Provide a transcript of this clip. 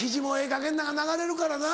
かげんなんが流れるからな。